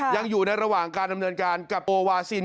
ยังอยู่ในระหว่างการดำเนินการกับโอวาซิน